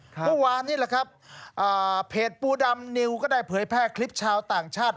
เมื่อวานนี้แหละครับเพจปูดำนิวก็ได้เผยแพร่คลิปชาวต่างชาติ